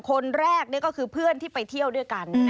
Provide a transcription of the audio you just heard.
คนแรกนี่ก็คือเพื่อนที่ไปเที่ยวด้วยกัน